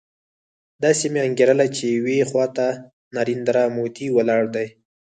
داسې مې انګېرله چې يوې خوا ته نریندرا مودي ولاړ دی.